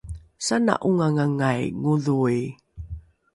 sana’ongangangai ngodhoi